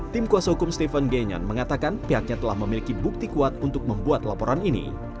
tim kuasa hukum stephen genyan mengatakan pihaknya telah memiliki bukti kuat untuk membuat laporan ini